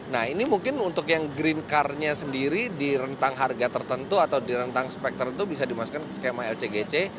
nah ini mungkin untuk yang green car nya sendiri di rentang harga tertentu atau di rentang spektor itu bisa dimasukkan ke skema lcgc